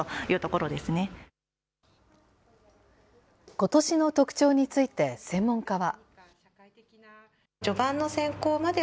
ことしの特徴について専門家は。